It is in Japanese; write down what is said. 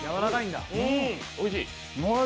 おいしい！